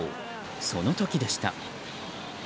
その時でした。